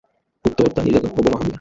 গুপ্তহত্যা, নির্যাতন ও বোমা হামলা।